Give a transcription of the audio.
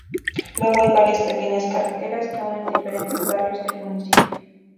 Luego hay varias pequeñas carreteras que unen diferentes barrios del municipio.